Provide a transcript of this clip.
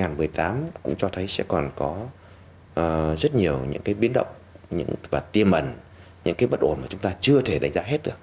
năm hai nghìn một mươi tám cũng cho thấy sẽ còn có rất nhiều những cái biến động và tiêm ẩn những cái bất ổn mà chúng ta chưa thể đánh giá hết được